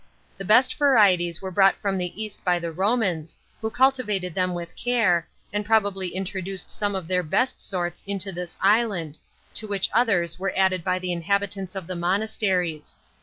The best varieties were brought from the East by the Romans, who cultivated them with care, and probably introduced some of their best sorts into this island, to which others were added by the inhabitants of the monasteries.